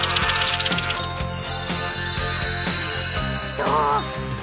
どう？